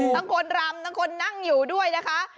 คนรำทั้งคนนั่งอยู่ด้วยนะคะ